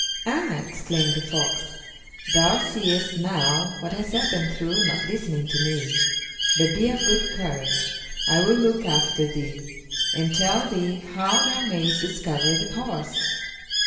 "Ah!" exclaimed the fox, "thou seest now what has happened through not listening to me. But be of good courage; I will look after thee, and tell thee how thou mayest discover the horse.